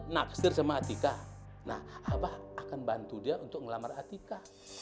naksir sama atika nah abah akan bantu dia untuk ngelamar atika